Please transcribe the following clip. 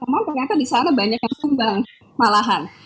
mengapa disana banyak yang sumbang malah